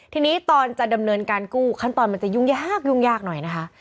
ทีนี้ตอนจะดำเนินการกู้ขั้นตอนมันจะยุ่งยากยุ่งยากหน่อยนะคะ